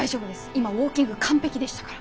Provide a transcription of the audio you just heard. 今ウォーキング完璧でしたから。